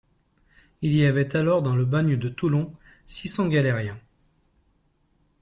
Il y avait alors dans le bagne de Toulon six cents galériens.